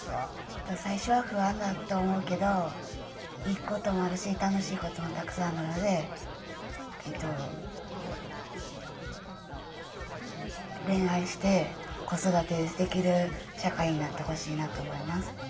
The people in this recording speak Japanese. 最初は不安だと思うけどいいこともあるし楽しいこともたくさんあるので恋愛して子育てできる社会になってほしいなと思います。